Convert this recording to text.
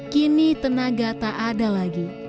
kini tenaga tak ada lagi